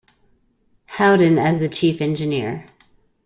Howden as the chief engineer.